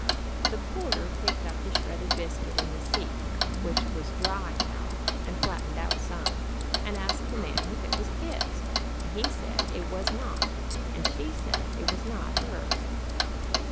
The porter picked up the shredded biscuit in the seat, which was dry now, and flattened out some, and asked the man if it was his, and he said it was not, and she said it was not hers.